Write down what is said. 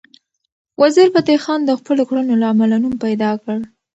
وزیرفتح خان د خپلو کړنو له امله نوم پیدا کړ.